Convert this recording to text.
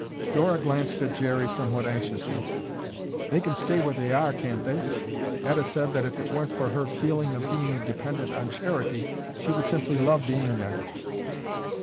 Dora glanced at Jerry somewhat anxiously. "They can stay where they are, can't they? Etta said that if it weren't for her feeling of being dependent on charity, she would simply love being there."